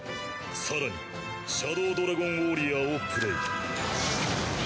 更にシャドウ・ドラゴンウォーリアをプレイ。